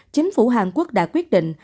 chính phủ hàn quốc đã quyết định